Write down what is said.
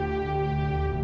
aku akan mencari tuhan